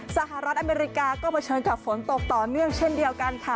สหรัฐอเมริกาก็เผชิญกับฝนตกต่อเนื่องเช่นเดียวกันค่ะ